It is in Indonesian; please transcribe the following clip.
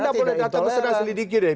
anda boleh datang ke aceh